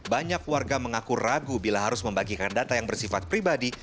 banyak warga mengaku ragu bila harus membagikan data yang bersifat pribadi